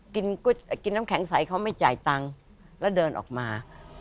กินน้ำแข็งใสเขาไม่จ่ายตังค์แล้วเดินออกมา